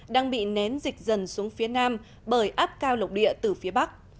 đang bị nén dịch dần xuống phía nam bởi áp cao lục địa từ phía bắc